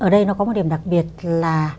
ở đây nó có một điểm đặc biệt là